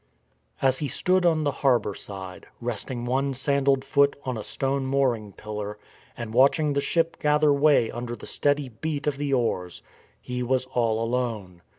As he stood on the harbour side, resting one san dalled foot on a stone mooring pillar and watching the ship gather way under the steady beat of the oars, he was all alone.